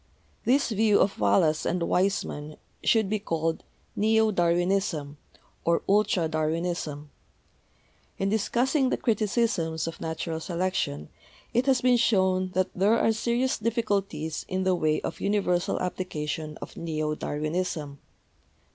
This view of Wallace and Weismann should be called 'Neo Darwinism' or 'Ultra Darwinism/ In dis cussing the criticisms of natural selection it has been shown that there are serious difficulties in the way of universal application of neo Darwinism.